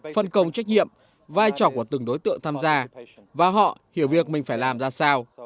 phân công trách nhiệm vai trò của từng đối tượng tham gia và họ hiểu việc mình phải làm ra sao